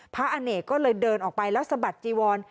อเนกก็เลยเดินออกไปแล้วสะบัดจีวร